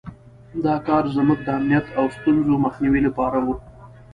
دا کار زموږ د امنیت او د ستونزو مخنیوي لپاره وو.